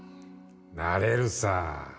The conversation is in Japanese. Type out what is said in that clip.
なれるさ